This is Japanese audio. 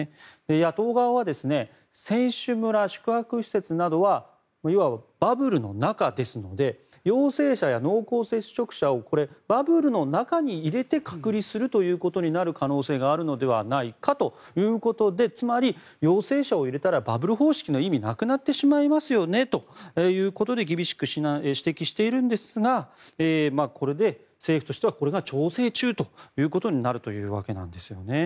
野党側は選手村、宿泊施設などはいわばバブルの中ですので陽性者や濃厚接触者をバブルの中に入れて隔離するということになる可能性があるのではないかということでつまり、陽性者を入れたらバブル方式の意味なくなってしまいますよねということで厳しく指摘しているんですがこれで政府としてはこれが調整中ということになるというわけなんですね。